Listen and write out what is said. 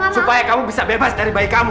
supaya kamu bisa bebas dari bayi kamu